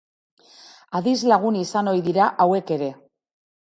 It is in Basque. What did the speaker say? Adizlagun izan ohi dira hauek ere.